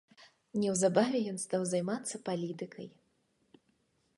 Неўзабаве ён стаў займацца палітыкай.